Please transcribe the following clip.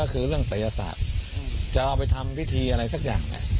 ก็คือเรื่องศัยศาสตร์จะเอาไปทำพิธีอะไรสักอย่างแหละ